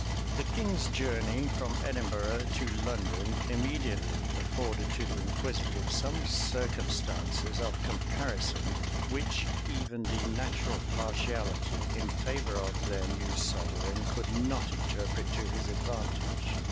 The king's journey from Edinburgh to London immediately afforded to the inquisitive some circumstances of comparison, which even the natural partiality in favor of their new sovereign could not interpret to his advantage.